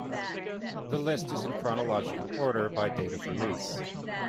The list is in chronological order by date of release.